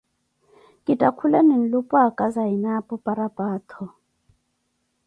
kitthakulane nlupwaaka zanapo parapaattho.